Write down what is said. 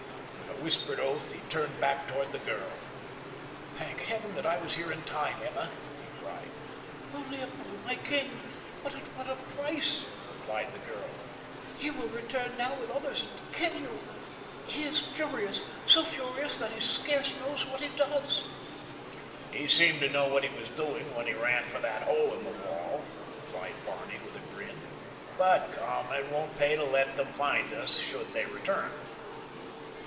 With a whispered oath he turned back toward the girl. "Thank Heaven that I was in time, Emma," he cried. "Oh, Leopold, my king, but at what a price," replied the girl. "He will return now with others and kill you. He is furious—so furious that he scarce knows what he does." "He seemed to know what he was doing when he ran for that hole in the wall," replied Barney with a grin. "But come, it won't pay to let them find us should they return."